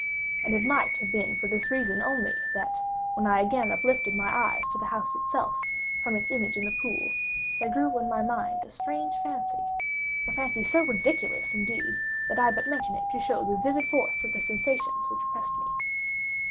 And it might have been for this reason only, that, when I again uplifted my eyes to the house itself, from its image in the pool, there grew in my mind a strange fancy—a fancy so ridiculous, indeed, that I but mention it to show the vivid force of the sensations which oppressed me.